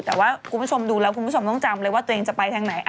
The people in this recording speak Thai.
แต่ว่าคุณผู้ชมดูแล้วคุณผู้ชมต้องจำเลยว่าตัวเองจะไปทางไหน